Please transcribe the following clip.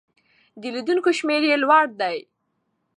د لیدونکو شمېر یې لوړ دی.